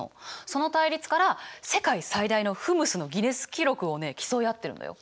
その対立から世界最大のフムスのギネス記録をね競い合ってるんだよ。